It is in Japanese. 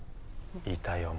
いたよ